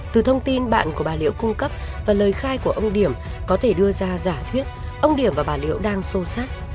từ thông tin bạn của bà liễu cung cấp và lời khai của ông điểm có thể đưa ra giả thuyết ông điểm và bà liễu đang sô sát